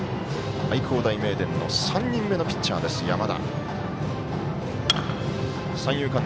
愛工大名電の３人目のピッチャー山田。